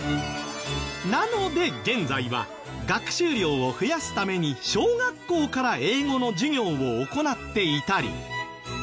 なので現在は学習量を増やすために小学校から英語の授業を行っていたり。